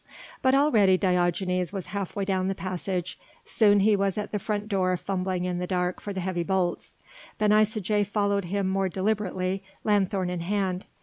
But already Diogenes was half way down the passage; soon he was at the front door fumbling in the dark for the heavy bolts. Ben Isaje followed him more deliberately, lanthorn in hand.